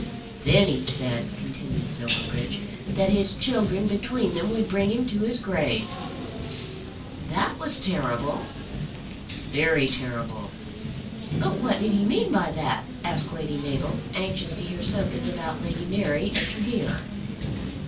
"Then he said," continued Silverbridge, "that his children between them would bring him to his grave." "That was terrible." "Very terrible." "But what did he mean by that?" asked Lady Mabel, anxious to hear something about Lady Mary and Tregear.